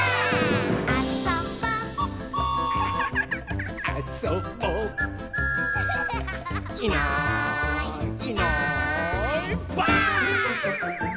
「あそぼ」「あそぼ」「いないいないばあっ！」